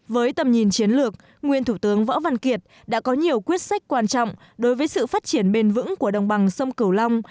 với tầm nhìn chiến lược nguyên thủ tướng võ văn kiệt đã có nhiều quyết sách quan trọng đối với sự phát triển bền vững của đồng bằng sông cửu long